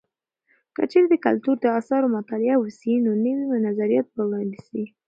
که چیرې د کلتور د اثارو مطالعه وسي، نو نوي نظریات به وړاندې سي.